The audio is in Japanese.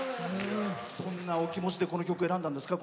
どんなお気持ちでこの曲、選んだんですか？